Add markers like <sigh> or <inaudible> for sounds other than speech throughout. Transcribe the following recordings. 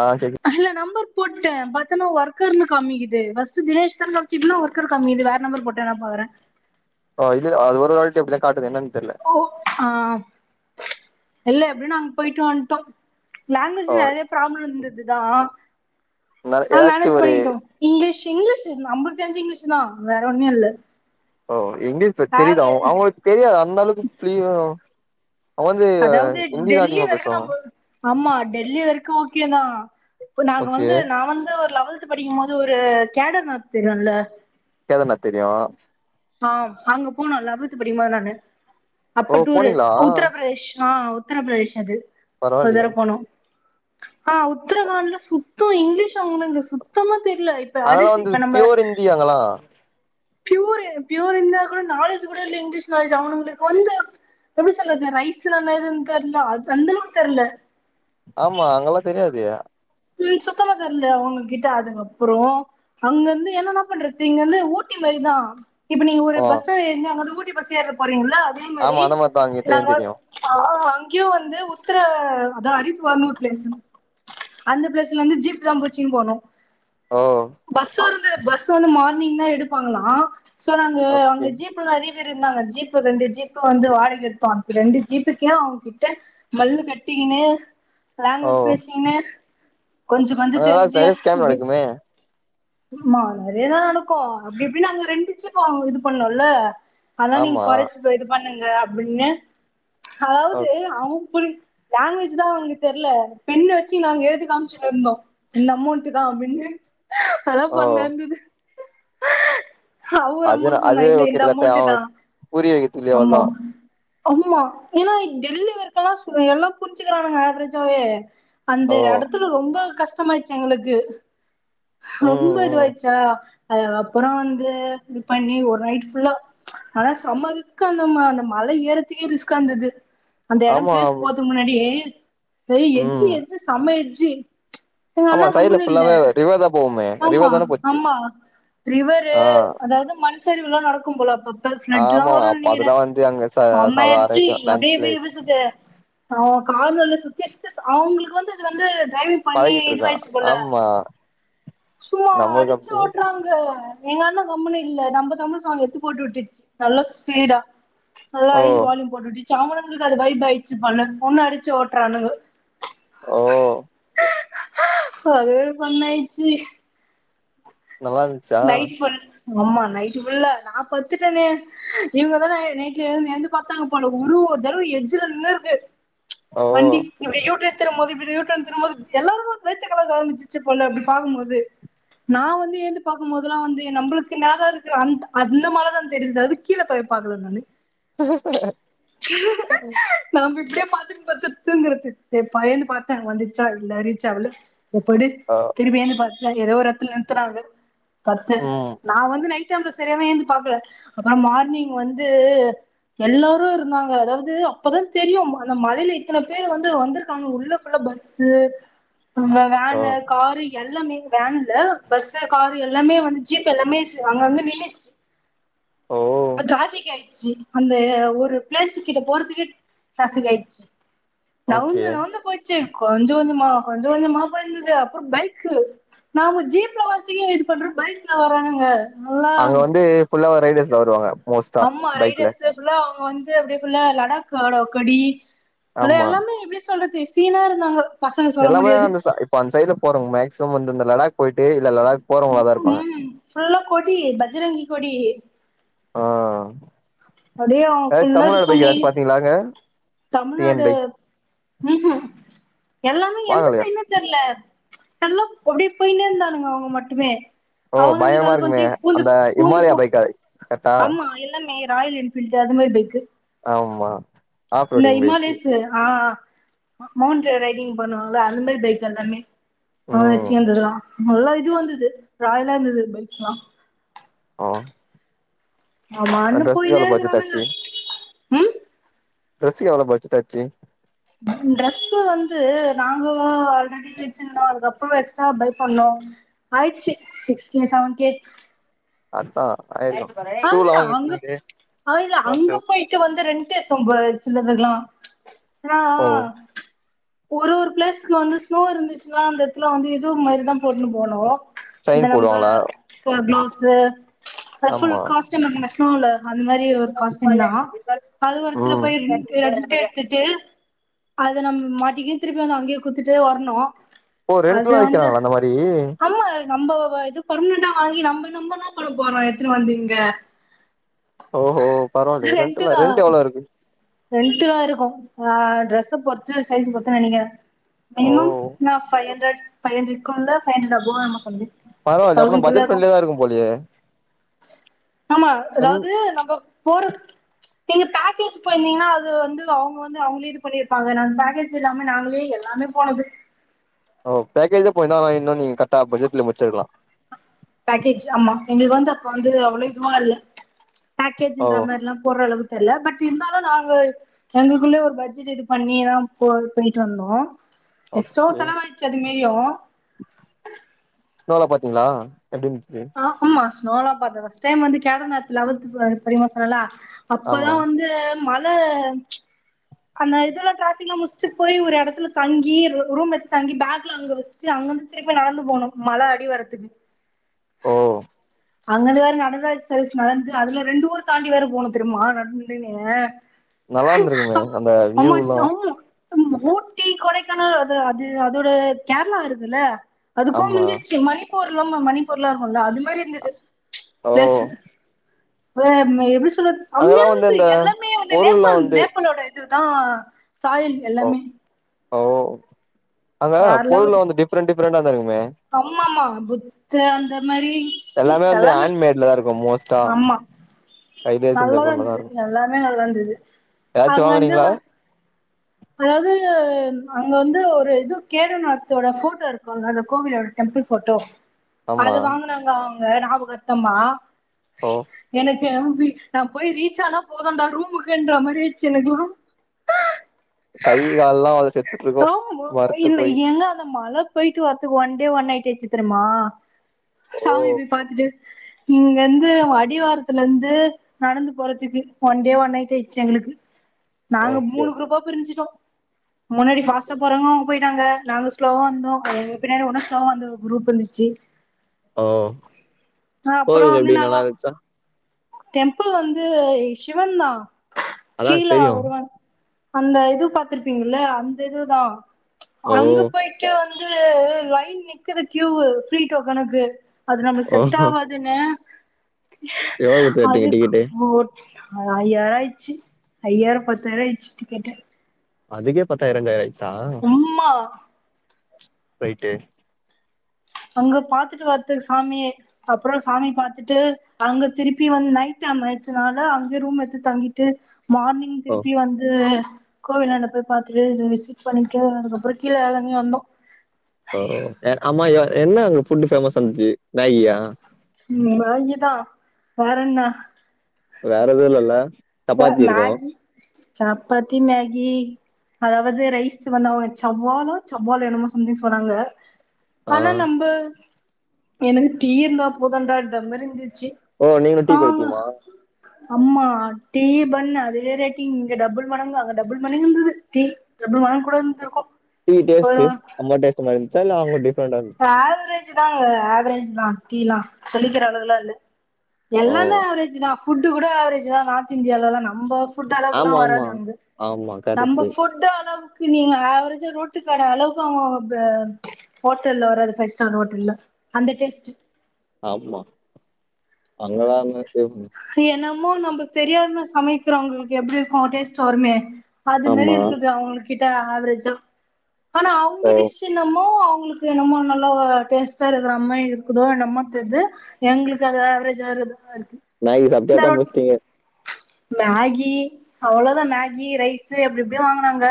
ஆ கேக்கு அதுல நம்பர் போட்டே பாத்தன்னா ஒர்கர்னு காம்மிக்குது ஃபஸ்ட்ஸ் தினேஷ்தா கமிச்சினு இருந்தா ஒர்கர் கம்மிக்குது வேற நம்பர் போட்டே நா பாக்குறே ஆ இது அது ஒரு ஆள்ட்டி அப்பிடிதா காட்டுது என்னான் ஓ ஆ இல்ல எப்பிடியோ நாங்க போயிட்டு வந்ட்டோ லாங்குவேஜ் ஓ நெறைய ப்ராப்ளோ இருந்ததுதா நா ஆனா ஏதாச்சு மேனேஜ் ஒரு பண்ணிகிட்டோ இங்கிலீஷ் இங்கிலீஷ் அம்பத்தஞ்சி இங்கிலீஷ்தா வேற ஒண்ணு இல்ல ஓ எங்க இருக்க தெரியுதா ஆவரே அவுங்களுக்கு தெரியாது அந்த அளவுக்கு ஃபீவர் அதாவது டெல்லி வரைக்கு பேசுவாங்க நம்ம ஆமா டெல்லி வரைக்கு இக்கியேதா இப்ப நாங்க ஓகே வந்து நா வந்து ஒரு லவல்த் சிக்த் படிக்கு போது ஒரு கேடர் நாத் தெரியுல்லா கேதர்நாத் தெரியு ஆ அவுங்க போனோ லவல்த்து படிக்கு போது நானு அப்ப ஓ டூரு போனீங்களா உத்தரப்பிரதேஷ் ஆ உத்தரப்பிரதேஷ் அது ஒரு பரவாயில்லையே தர போனோ ஆ உத்தரகாண்ட்ல சுத்தோ இங்கிலீஷ் அவுனுங்கு சுத்தமா தெர்ல இப்ப அங்கல்லா அரிசி வந்து இப்ப நம்ம பியூர் இந்தி அங்கலா பியூர் பியூர் இந்திய இருந்த கூட நாலேஜ் கூட இல்ல இங்கிலீஷ் நாலேஜ் அவுங்களுக்கு வந்தே எப்பிடி சொல்றது ரைஸ்னா எதுன்னு தெரியல அந்தளவுக்கு தெரில ஆமா அங்கெல்லா தெரியாது ம் சுத்தமா தெர்ல அவுங்க கிட்ட அதுக்கப்புறோ அங்க இருந்து என்னன்னா பண்றது இங்க இந்து ஊட்டி மாரிதா இப்ப நீங்க ஒரு ஓ பஸ் ஸ்டாண்ட் ஏறினா அங்கந்து ஊ ப்பி பஸ் ஏற போறீங்க ளோ அதே மாரி ஆமா அந்த மாரிதா அங்க தெரியு நாங்க தெரியு ஆ அங் கயு வந்து உத்தர அதா அரித்துவார்னு ஒரு பிளேஸு அந்த பிளேஸ்ல இருந்து ஜீப்தா புடிச்சுனு போகணு ஓ க்கு பஸ் வந்து மார்னிங்தா எடுப்பாங்களா சோ நாங்க ஓகே அங்க ஜீப்பு நெறைய இருந்தாங்க ஜீப்பு ரெண்டு ஜீப்பு வந்து வாடகைக்கு எடுத்தோ அந்த ரெண்டு ஜீப்புக்கே அவங்ககிட்ட மல்லு கட்டிக்கினு ஓ லாங்வேஜ் பேசிக்னு அங்கல்லா நெறைய ஸ்கேம் நடக்குமே ஆமா நெறையதா நடக்கு அப்டி இப்டின்னு அங்க ரெண்டு ஜீப்பு நாங்க இது பண்ணோல்ல அதனால நீங்க ஆமா கொறைச்சி இது பண் ணுங்க அப்டின்னு ஓ அதாவது அவங்க புரி லாங்வேஜ்தா அவங்களுக்கு தெர்ல பென்ன வச்சு நாங்க எழுதி காமிச்சினு இருந்தோ இந்த அமௌன்ட்டுதா அப்டின்னு அதெல்லா ஓ ஃபன்னா இருந்துது அதுனா அமௌண்ட் சொன்னா அதே இல்ல இந்த கிட்டத்தட்ட அமௌண்ட் தா அவனுக்கு புரிய வைக்கிறது இல்லயோ ஆமா அவ்ளோதா ஆமா ஏன்னா டெல்லி வரைக்கல்லா சொ எல்லா புரிஞ்சிக்கிறானுக ஆவரேஜாவே அந்த ஒரு ஓ எடத் ரொம்ப கஷ்டமாயிட்ச்சு எங்களுக்கு ம் ரொம்ப ம் இதுவாயிட்ச்சா அதுக்கப்புறோ வந்து இது பண்ணி ஒரு நைட் ஃபுல்லா ஆனா செம்ம ரிஸ்க்கு அந்த ம அந்த மலை ஏறத்துக்கே ரிஸ்கா இருந்துது அந்த எடம் ஆமா பிளேஸ் போறதுக்கு முன்னாடி வெறு எட்ஜு ம் எட்ஜு செம எட் ஜு ஆமா சைடுல ஃபுல்லாவே ரிவர்தா போகு ஆமா ஆமா ரிவரு ஆ அதாவது மண் சரிவு எல்லா நடக்கும் போல அப்பப்ப ஃபிளட் எல்லா ஆமா வருன்னு அப்ப நெனைக்குறே அதெல்லா வந்து அங்க ச செம சாதாரண எட்ஜு விஷயோ லன்ச் அப்டியே எப்டி லைட் எப்டி சொல்றது ஆ கார்னர்ல சுத்தி சு த்தி ஸ் அவங்களுக்கு வந்து இது வந்து பண்ணி பழகிட்டு இருக்கான் இதுவாயிடுச்சு போல ஆமா சும்மா நம்மளுக்கு அடிச்சு அப்டி ஓட்டுறாங்க எங்கண்ணன் சும்மானும் இல்லை நம்ம தமிழ் சாங்க் எத்து போட்டு விட்டுருச்சு நல்லா ஸ்பீடா நல்லா ஓ ஐந்து வாலயூம் போட்டுட்டு சாங் அவங்களுக்கு அது வைப் ஆயிச்சு பண்ணனும் அடிச்சு ஓட்டுறானுங்க ஓஓ அதுவே பன் ஆயிடுச்சு நல்லா இருந்துச்சா நைட் ஃபுல் ஆமா நைட்டு் உள்ள நான் பத்துட்டுடனேஇவங்கதான் நைட்லந்து நேர்ந்து பா்த்தாங்க பல ஒரு ஒரு தடவை எஜ்ஜல நின்னு இருக்கு ஓ வண்டி இப்ப யூட நா வந்து பாக்கும் போது இப்படி யூட்டன் திரும்பும் போது எல்லாரும் வைத்தகலக்க‌ஆரமிச்சிரிச் போல நான் வந்து பார்கும் போதெல்லாம் வந்து நம்மளுக்கு என்னான் இருக்கிற அந்த அந்த மாதிரதான் தெரியுது அது கீழே போய் பார்க்கலும்னனு நான் விக்க பாத்து பா தங்கறது சரி பையந்து பாத்தேன் வந்துச்சா இல்ல ரீச்சாவல்ல செத்த‌ இரு ஆ திரும்பி திரும்பி பார் ஏதோ ஒரு இடத்துல நிறுத்துறங்க பத்து ம் நான் வந்து நைட்டு சரியான ஏந்து பாக்கல அப்புறம் மார்னிங் வந்து எல்லாரும் இருந்தாங்க அதாவது அப்பதான் தெரியும் அந்த மலையில இத்தனை பேர் வந்து வந்திருக்காங்க உள்ள பஸ்சு ஆ வேன்னு காரு எல்லாமே வேன்ல பஸ் காரு எல்லாமே வந்து ஜீப் எல்லாமே செ அங்கந்து நின்னுச்சு ஓ ட்ராபிக் ஆயி அந்த ஒரு பிளேஸ் கிட்ட போறதுக்கு ட்ராபிக் ஆயிடுச்சு ஓகே நவுந்து நவுந்து போயிச்சு கொஞ்சம் கொஞ்சமா கொஞ்சம் கொஞ்சமா போய்னு இருந்தது அப்புறம் பைக்கு நா ஜீப்ல த்த இது பண்ற பைக்கல வராங்க அங்க வந்து புல்லா கைவேஸ் வருவாங்க மோஸ்ட்டா அம்மா பைக்ல ரைட்டர்ஸ் புல்லா அவங்க வந்து அப்படியே புல்லா லடாக் ஆடகடி ஆமா எல்லாமே எப்படி சொல்றது து சீனா இருந்தாங்க பசங்க சொல்ல எல்லாமே முடியாது அந்த இப்ப அந்த சைட்ல போறோங்க மேக்சிமம் வந்து அந்த லடாக் போய்ட்டே இரு உ ஃபுல்லா கொடி பஜ்ரங்கி கொடி <unintelligible> ஆ அப்படியே அவங்க ஏதா ஃபுல்லா இது தமிழ்நாடு பைக் பண்ணி எதாஜ் பாத்தீங்களாங்க டி என் தமிழ்நாடு பைக் உஹு எல்லாமே எந்த வாங்கலையா சய்டுனு தெரியல எல்லா அப்படி போய்னே இருந்தானுங்க அவங்க மட்டுமே ஓ அவனுங்களுக்கு பயரமா அது இருக்குமே கொஞ்சோ பூந்து அந்த பூந்து இஹமாலயா போ பைக்கா கரெக்டா ஆமா எல்லாமே ராயல் என்ஃபீல்டு அது மாரிபைக்கு ஆம்மா இந்த இஹமாலயசு ஆ மௌண்ட ரைடிங் பண்ணுவாங்களா அந்த மாரி பைக் எல்லாமே ஆ வெச்சு ம் வந்ததுதா நல்லா இது வந்தது ராயலா இருந்தது பைக்லா ஆ அவமானு ட்ரெஸ்ஸுக்கு எவ்ளோ பட்ஜெட் போயினேஇருக்குரானுங்க உ டரெசிக்க எவ்வள பட்ஜெட்டாச்சு டிரெஸ் வந்து நாங்களு ஆல்ரெடி வச்சிருந்தோ அதுக்கப்புறோ எக்ஸ்ட்ரா பை பண்ணோ ஆயிச்சு சிக்ஸ் கே செவன் கே அத்தா ஆ இல்ல அங்க ஆ இல்ல ஸ்னோ அங்க ஷூ போயிட்டு வந்து ரெண்டுத்தொம்ப்ரோ சில அந்துக்கலா ஆனா ஓ ஒரு ஒரு பிளேஸ்க்கு வந்து ஸ்னோ இருந்துச்சுன்னா அந்த எடத்துல வந்து இது மாரிதா போட்டுன்னு போனு இந்த சைன் நம்ப போடுவாங்களா க க்ளோஸ் ச ஆமா <unintelligible> அந்த மாதிரி ஒரு காஸ்டியு தா அது ஒருத்துல ம் போய் ரெண்டு எடுத்துட்டு அத நம்ம மாட்டிக்கி திருப்பி வந்து அங்கயே குத்துட்டு வரணு ஓ ரெண்டு்க்குலா வைக்கிறாங்களா அந்த மாரி நம்ம இது பெர்மனன்டா வாங்கி நம்ம நம்ம என்னா பண்ண போறோம் எத்தனை வாங்கி ஹ ஓஹோ பரவாயில்லை ரெண்டட்லாம் ரெண்ட் எவ்ளோ இருக்கு ரெண்டு த இருக்கும் ஆஹ் ட்ரெஸ்ச பொறுத்து சைஸ் பொருத்துன்னு நினைக்கிறேன் ஓ மினிமம் நான் பைவ் ஹண்ட்ரட் பயன் இருக்கும்ல பையன்ல போ பரவாயில்லையே தவுஸன்ட் அப்பனா குள்ள பட்ஜெட் இருக்கும் ஃப்ரெண்ட்லியா தா போலயே ஆமா என் அதாவது நம்ம போற எங்க பேக்கேஜ் இப்ப இருந்தீங்கன்னா அது வந்து அவங்க வந்து அவங்களே இது பண்ணியிருப்பாங்க நா பேக்கேஜ் இல்லாம நாங்களே எல்லாமே போனது ஓ பேக்கேஜ் தான் போயந்தான்னா இன்னும் நீங்க கரக்டா படஜெட்ல முடிச்சிருக்கலாம் பேக்கேஜ் ஆமா எங்களுக்கு வந்து அப்ப வந்து அவ்வளவு இதுவ இல்ல ஓ பேக்கேஜ்ன்ற மாதிரிலாம் போடுற அளவுக்கு தெரியல பட் இருந்தாலும் நாங்க எங்களுக்குள்ள ஒரு பட்ஜெட் இது பண்ணிதான் போ போயிட்டு வந்தோம் எக்ஸ்ட்ரா ஓகே செலவாயிடுச்சு அது மிரியும் ஸ்னோல பாத்தீங்களா எப்படிருதுச்சு சூனோ நேர்ல பார்த்து ஃபஸ்ட் டைம் வந்து கேடோ லெவல்த் டோல்த் படிக்கிறேன்னு சொல்லலாம் ஆமா அப்பதான் வந்துல மழை அந்த இதல்லாம் டாபிக்ல்லாம் முடிச்சுட்டு போய் ஒரு இடத்துல தங்கி ரூம் எடுத்து தங்கி பேக்ல அங்க வச்சுட்டு அங்க வந்து திரும்ப்பி நடந்து போகணும் மழை அடி வாரத் துக்கு ஓ அங்கருந்து வேற நடராஜா சர்வீஸ் நடந்து அதுல ரெண்டு ஊர் தாண்டி வேற போனும் தெரிமா நடந்தே நீங்க நல்லா இருந்திருக்குமே அந்த வியூலாம் ஊட்டி கொடைக்கானல் அது அது அதோட கேரளா இருக்குல்ல அதுக்கும் ஆமா முடிஞ்சுருச்சு மணி போர்லாம மணி போர்ல இருக்கும்ல அது மாதிரி அஹ ஓ பேசு வேற மாதிரி அங்கெல்லா வந்து செமையதுது இந்த எல்லாமே வந்து பொருள்லா நேபாள் வந்து நேபாளோட இதுதான் சாயில் ஓ எல்லாமே ஓ அங்க பொருள்ள வந்து டிஃப்ரெண் டிஃப் டிஃபிரண்ட தாக அம்மா மா புத்த அந்த மாரி எல்லாமே வந்து ஹேண்ட் மேட்ல தா இருக்கு மோஸ் ஆமா நல்லாதா பொருளா தா இருந்தது இருக்கு எல்லாமே நல்லாருந்துது ஏதாச்சு அங்க வந்து வாங்குனீங்களா அதாவது அங்க வந்து ஒரு இது கேதநாத்தோட ஃபோட்டோ இருக்கு அ கோவிலோட டெம்பிள் ஃபோட்டோ ஆமா அது வாங்குனாங்கவ் ங ஞாபகார்த்தம்மா ஓ எனக் யேமி நா போய் ரீச் ஆனா போதும்டா ரூமுக்குன்ற மாரி ஆச்சு எனக்குலா கை கால்லா அது செத்துட்ருக்கு ஆமா மறத்து இல்ல போய் எங்க அந்த மழ போயிட்டு வரத்துக்கு ஒன் டே ஒன் நைட் ஆச்சு தருமா ஓ சாமிய போய் பாத்துட்டு இங்கருந்து அடிவாரத்துல இருந்து நடந்து போறதுக்கு ஒன் டே ஒன் நைட் ஆயிடுச்சு எங்களுக்கு நாங்க ஓகே மூணு குரூப்பா ஞ்சிட்டோ முன்னாடி ஃபாஷ்டா போறாங்க போயிட்டாங்க நாங்க ஸ்லோவாந்தோ எங்க பின்னாடி உடு ஸ்லோவா வந்தோ குரூப் இருந்துச்சு ஓ அப்புறோ போயல வந்து எப்டி நாங்க நல்லார்ன்ச்சா டெம்பிள் வந்து சிவன் தா அதா கீழா தெரியு ஒருவன் அந்த இது பர்த்திருப்பீங்கல்லே அந்த இதுதா ஓ அங்க போயிட்டு வந் வந்து லைன் நிக்குது கியூ ஃப்ரிடோக்கனுக்கு அது நம்மக்கு ஓ செட் ஆவாதுன்னு எவ்ளோ குடுத்து எட்திங்க டிக்கெட்டு ஆ ஐயாயிரம் ஆய்டுச்சு ஐயாயிரோ பத்தாயிரோ ஆய்டுச்சு கேட்டே அதுக்கே பத்தாயிரோ <unintelligible> சா உம்மா ரைட்டே அங்க பாத்துட்டு வரத்து சாமிய அப்புறோ சாமி பாத்துட்டு அங்க திருப்பி வந்து நைட் டைம் ஆயிச்சனால அங்கயே ரூம் எத்து தங்கிட்டு மார்னிங் ஓ திருப்பி வந்து கோவிலாண்ட போய் பாத்தட்டு விசிட் பண்ணிக்க அதுக்கப்புறோ கீழ எதங்கி வந்தோ ஓ எ அம்மா என்ன அங்க ஃபுட்டு பேமஸ்ஸா இருந்துச்சி நகியா ம் மேகித வேறன்னா வேற எது இல்லல்ல ப்ப சப்பாத்தி இருக்கும் மேகி சப்பாத்தி மேகி அதாவது ரைஸ் வந்தவங்க சவ்வாலோ சவ்வாலோ என்னுமோ சம்திங்க சொன்னாங்க ஆ ஆனா நம்ப எனக்கு டீ இருந்தா போதுன்டாண்டறா மாரி இருந்துச்சி ஓ நீங்களு டீ பைய்த்தியமா அம்மா டீ பண் அதுவே ரேட்டிங் இங்க டபுள் மடங்கு அங்க டபுள் மடங்கு இருந்தது டீ டபுள் மடங்க கூட இருந்திருக்கு டீ டேஸ்ட் ஒரு அம்மா டேஸ் மாரி இ த்ல்ல அவுங்க டிஃப்ரெண்ட் ரேஜ் தாங்க ஆவரேஜ்தா டீல்லா சொல்லிக்கிற அளவுக்குல்லா இல்ல ஓ எல்லானே ஆவரேஜ்தா ஃபுட்டு கூட ஆவரேஜ்தா நார்த இந்தியாலல்லா நம்ப ஃபுட்டு அளவுக்குல்லா ஆமா வராது ஆமா அங்க ஆமா நம்ம கரெக்ட்டு ஃபுட்டு அளவு நீங்க ஆவரேஜா ரோட்டுகட அளவுக்கு அவுங்க பே ஹோட்டல்ல வராது பைஸ் ஸ்டார் ஹோட்டல்ல அந்த டேஸ்ட் ஆமா அங்கதான ன்னமோ நம்ம தெரியாம சமைக்கிறவங்களுக்கு எப்பிடி இருக்கு டேஸ்ட் வருமே அது மேரி ஆமா இருக்குது அவுங்குளுக் கிட்ட ஆவரேஜ் ஆனா ஓ அவுங்க டிஷ் என்னமோ அவுங் உங்களுக்கு என்னமோ நல்லா டேஸ்ட்டா இருக்கிற மாரி இருக்குதோ என்னமோ தெரியுது எங்களுக்கு அது ஆவரேஜ் இருது இருக்கு மேகி சாப்பிட்டே இந்த அப்பிடியே ரொட் முடிச்சிட்டீங்க மேகி அவ்ளோதா மேகி ரைஸ் எப்பிடி எப்பிடியோ வாங்கினாங்க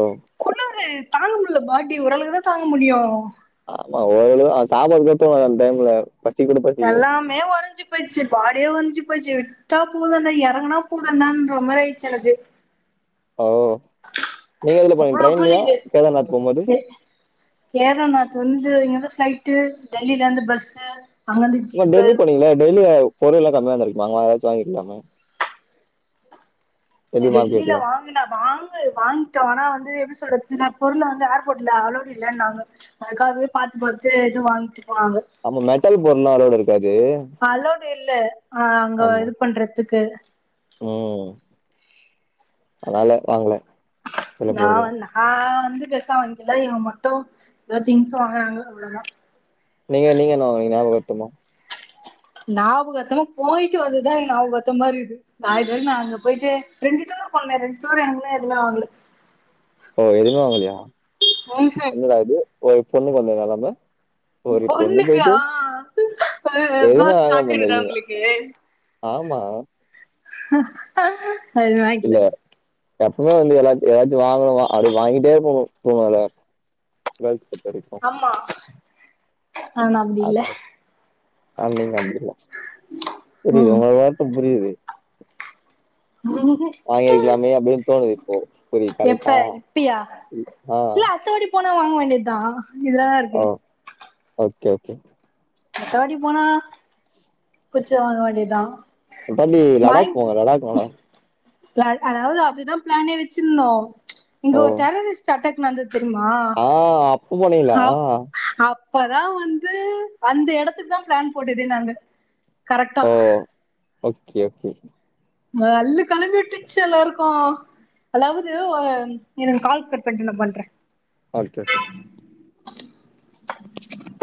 ஓ குளிருது தாங்க முடியல பாடி ஓரளவுக்குத்தான் தாங்க முடியும் ஆமா ஒரு அளவுக்கு சாப்பாடு கத்தணும் அந்த டைம்ல பசிக்கூட பசிக்காது எல்லாமே உறைஞ்சி போச்சு பாடி உறைஞ்சு போச்சு விட்டா போதும்டா இறங்கனா போதும்டா என்ற ஒரு மாதிரி ஆயிடுச்சு எனக்கு ஓ நீங்க எதுல போனீங்க அவ்ளோ ட்ரெயின்லையா கேதார்நாத் போகும்போது கேதார் நாத்து வந்து இங்க இருந்து ஸ்ட்ரைட் டெல்லியில் இருந்து பஸ் ஓ டெல்லி போனீங்களே டெல்லில பொருள் எல்லாம் கம்மியா இருந்திருக்குமே ஏதாச்சும் வாங்கிக்ருக்கலாமே டெல்லியில வாங்குனா வாங்கு வாங்கிட்டோம் ஆனா வந்து என்ன சொல்றது சில பொருள் வந்து ஏர்போர்ட்ல அலோட் இல்லன்னு அதுக்காகவே பார்த்து பார்த்து இது வாங்கி அப்ப மெட்டல் பொருள் எல்லாம் அலோடு இருக்காது அலோடு இல்ல ஆஹ் அங்க இது பண்றதுக்கு உம் அதனால வாங்கல சில நான் பொருள்லாம் வந்து ஆஹ் பெருசா வாங்கல இவங்க மட்டும் ஏதாவது திங்ஸ் வாங்கறாங்க அவ்வளவுதான் நீங்க நீங்க என்ன வாங்கினீங்க ஞாபகார்த்தமா ஞாபகார்த்தமா போயிட்டு வந்ததுதான் ஞாபகார்த்தமா இருக்குது நான் நான் அங்க போயிட்டு ரெண்டு தடவ போனேன் ரெண்டு தடவ எனக்கு எதுவுமே வாங்கல ஓ எதுமே வாங்கலையா என்னடா இது ஒரு பொண்ணுக்கு வந்த நிலைமை பொண்ணுக்கா அது கேட்டவுடனே எதுவுமே வாங்காம ஷாக் ஆகுதா வந்திருக்கீங்க உங்களுக்கு ஆமா இல்ல எப்பவுமே வந்து ஏதாச்சு ஏதாச்சும் வாங்கணும் அது வாங்கிட்டே போவோம் போவளாம் ஆமா ஆனா அப்டி இல்ல அதான் ஆ நீங்க அப்படிலாம் புரியுது ம் உங்க வார்த்த புரியுது வாங்கிருக்கலாமே அப்படின்னு தோணுது இப்போ புரியுது எப்ப கரெக்டா இப்பயா ஆஹ் இல்ல அத்தவாடி போனா வாங்க வேண்டியதுதான் இங்க தான் இருக்கேன் ஓகே ஓகே அடுத்தவாட்டி போனா புடிச்சத வாங்க வேண்டியது தான் அது தாண்டி லடாக் போவொ லடாக் நல்லாரு ல நாங்ளு அதுதா ப்ளானே வச்சிருந்தோ இங்க ஓ ஒரு டெரரிஸ்ட் அட்டாக் வந்தது தெரியுமா ப போனிங்ளா? பதா வந்து அந்த எடத்துக் தா பிளான் போட்டதே நாங்க கரெக்டா ஓ ஓகே ஓகே இங்க அல்லு கெளம்பிட்டுச்சு எல்லாருக்கு அதாவுது ஓ இருங் கால் கட் பண்ட்டு நா பண்றே ஓகே ஓகே <inaudible>